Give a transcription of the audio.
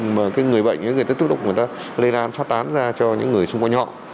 mà người bệnh người ta thúc đục người ta lây lan phát tán ra cho những người xung quanh họ